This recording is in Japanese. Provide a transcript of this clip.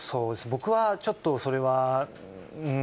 僕はちょっと、それはうん？